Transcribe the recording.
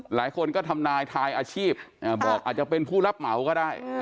หลายคนก็ทำนายทายอาชีพบอกอาจจะเป็นผู้รับเหมาก็ได้